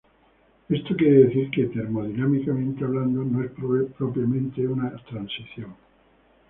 Esto quiere decir que, termodinámicamente hablando, no es propiamente una transición.